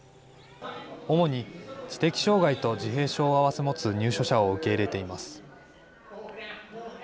主に知的障害と自閉症を併せ持つ入所者を受け入れています。